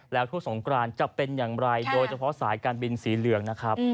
แล้วทั่วสงกรานจะเป็นอย่างไรโดยเฉพาะสายการบินสีเหลืองนะครับ